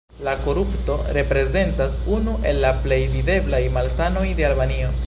La korupto reprezentas unu el la plej videblaj malsanoj de Albanio.